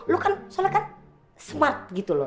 lo kan soalnya kan smart gitu loh